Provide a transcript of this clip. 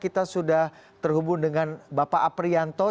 kita sudah terhubung dengan bapak aprianto